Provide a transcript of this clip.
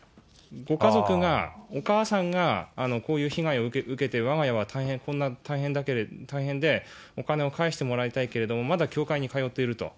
ご家族が、お母さんがこういう被害を受けて、わが家はこんな大変で、お金を返してもらいたいけれども、まだ教会に通っていると。